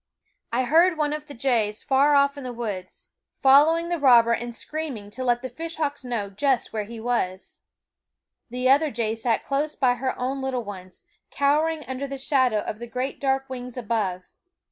I heard one of the jays far off in the woods, following the robber and "PRESENTLY THEY BEGAN TO SWOOP FIERCELY AT SOME ANIMAL" screaming to let the fishhawks know just where he was. The other jay sat close by her own little ones, cowering under the shadow of the great dark wings above.